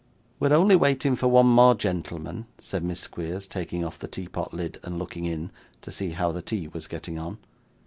'We are only waiting for one more gentleman,' said Miss Squeers, taking off the teapot lid, and looking in, to see how the tea was getting on.